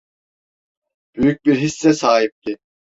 Büyük bir hisse sahipti.